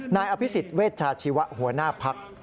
นายอภิษฐิเวชาชีวะหัวหน้าพรรค